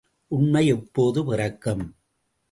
உண்மை எப்போது பிறக்கும்?